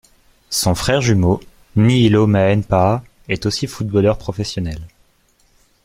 Son frère jumeau, Niilo Mäenpää, est aussi footballeur professionnel.